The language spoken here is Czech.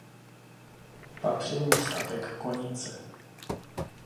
Patřil mu statek Konice.